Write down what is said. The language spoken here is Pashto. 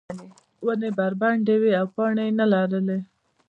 ونې بربنډې وې او پاڼې یې نه لرلې.